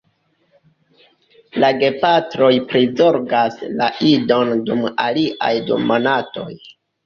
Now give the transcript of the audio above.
La gepatroj prizorgas la idon dum aliaj du monatoj.